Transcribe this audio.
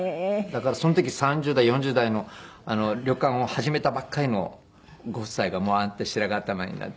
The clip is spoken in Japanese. だからその時３０代４０代の旅館を始めたばっかりのご夫妻がああやって白髪頭になっていて。